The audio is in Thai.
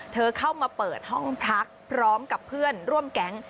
เข้ามาเปิดห้องพักพร้อมกับเพื่อนร่วมแก๊ง